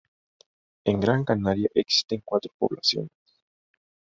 En Gran Canaria existen cuatro poblaciones.